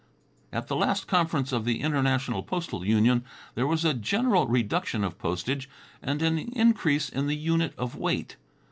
At the last conference of the International Postal Union there was a general reduction of postage and an increase in the unit of weight.